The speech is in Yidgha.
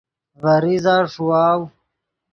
ڤے ریزہ ݰیواؤ